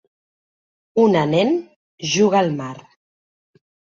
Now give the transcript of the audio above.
Una nen juga al mar.